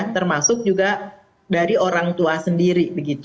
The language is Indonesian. termasuk juga dari orang tua sendiri